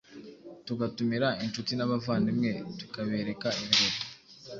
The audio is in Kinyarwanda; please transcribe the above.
tugatumira inshuti n’abavandimwe tukabereka ibirori